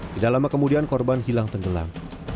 tidak lama kemudian korban hilang tenggelam